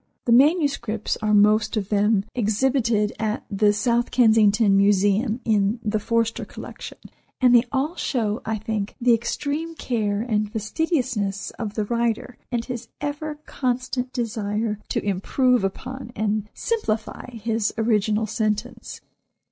The manuscripts are most of them, exhibited at the South Kensington Museum in "the Forster Collection," and they all show I think, the extreme care and fastidiousness of the writer, and his ever constant desire to improve upon and simplify his original sentence.